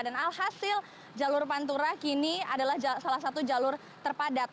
dan alhasil jalur pantura kini adalah salah satu jalur terpadat